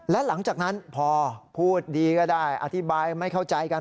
และหลังจากนั้นพอพูดดีก็ได้อธิบายไม่เข้าใจกัน